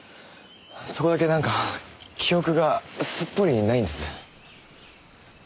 そこだけなんか記憶がすっぽりないんです。